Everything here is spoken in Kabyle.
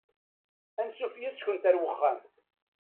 Ansuf yes-kent ar uxxam.